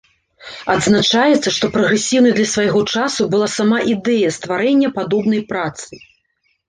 Адзначаецца, што прагрэсіўнай для свайго часу была сама ідэя стварэння падобнай працы.